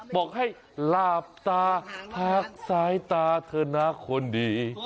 บอกให้ลาบตาพักสายตาเธอน่าคนดี